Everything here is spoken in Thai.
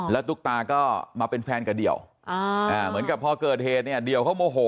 แล้วตุ๊กตาก็มาเป็นแฟนกับเดี่ยวเหมือนกับพอเกิดเหตุเนี่ยเดี่ยวเขาโมโห